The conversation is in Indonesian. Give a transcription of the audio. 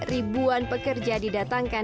ribuan pekerja didatangkan